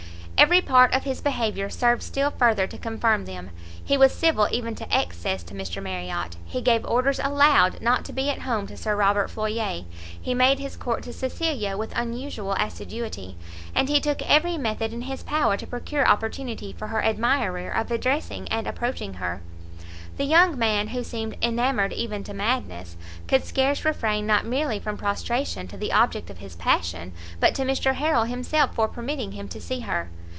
Every part of his behaviour served still further to confirm them; he was civil even to excess to Mr Marriot; he gave orders aloud not to be at home to Sir Robert Floyer; he made his court to Cecilia with unusual assiduity, and he took every method in his power to procure opportunity to her admirer of addressing and approaching her. The young man, who seemed enamoured even to madness, could scarce refrain not merely from prostration to the object of his passion, but to Mr Harrel himself for permitting him to see her.